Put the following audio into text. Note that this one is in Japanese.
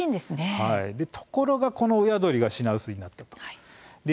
ところがこの親鳥が品薄になっているんです。